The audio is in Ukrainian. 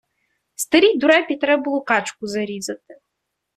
Старій дурепі треба було качку зарізати.